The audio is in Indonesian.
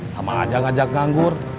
sama aja ngajak nganggur